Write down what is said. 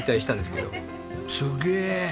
すげえ！